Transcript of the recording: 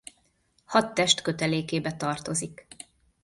Hadtest kötelékébe tartozik.